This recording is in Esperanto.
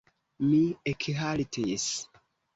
Mi ekhaltis.